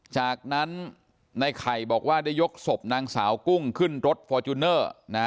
จากนั้นในไข่บอกว่าได้ยกศพนางสาวกุ้งขึ้นรถฟอร์จูเนอร์